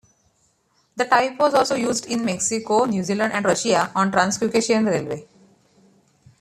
The type was also used in Mexico, New Zealand and Russia on Transcaucasian Railway.